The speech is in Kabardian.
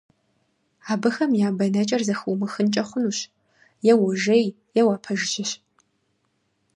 Абыхэм я бэнэкӀэр зэхыумыхынкӀэ хъунущ, е уожей, е уапэжыжьэщ.